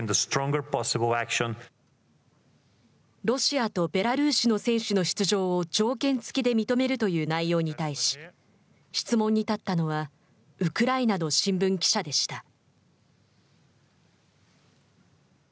ロシアとベラルーシの選手の出場を条件付きで認めるという内容に対し質問に立ったのはウクライナの新聞記者でした。